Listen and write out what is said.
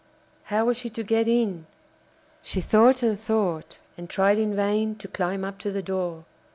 How was she to get in? She thought and thought, and tried in vain to climb up to the door.